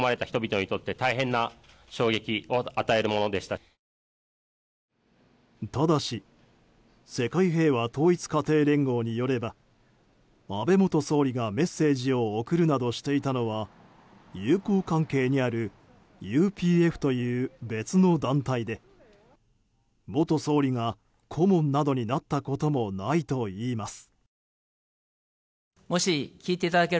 ただし世界平和統一家庭連合によれば安倍元総理がメッセージを送るなどしていたのは友好関係にあるＵＰＦという別の団体で元総理が顧問などになったこともないといいます。